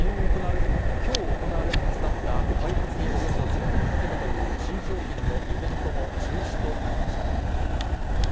きょう行われるはずだった、開発におよそ１０年かけたという新商品のイベントも、中止となりました。